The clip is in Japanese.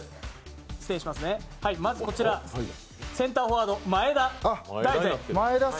まずこちら、センターフォワード前田大然。